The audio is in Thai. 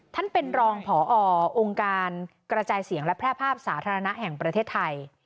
ท่านเป็นรองผอองค์การกระจายเสียงและแพร่ภาพสาธารณะแห่งประเทศไทย